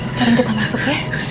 sekarang kita masuk ya